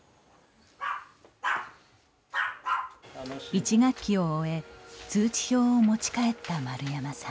１学期を終え通知表を持ち帰った丸山さん。